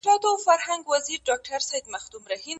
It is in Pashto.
د شنه چنار په ننداره وزمه